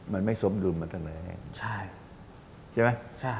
มันไม่สมดุมมาตั้งแต่แหละ